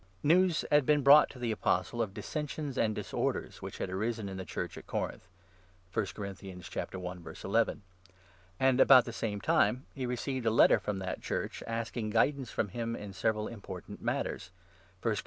News had been brought to the Apostle of dissensions and disorders which had arisen in the Cnurch at Corinth (i Cor. i. n) ; and about the same time he received a letter from that Church, asking guidance from him in several important matters (i Cor.